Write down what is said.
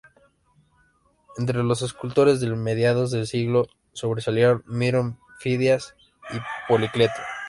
Entre los escultores de mediados de siglo sobresalieron Mirón, Fidias y Policleto.